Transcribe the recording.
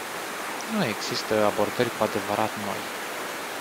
Nu există abordări cu adevărat noi.